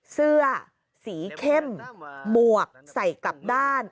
เสื้อสีเข้มหมวกใส่กลับด้าน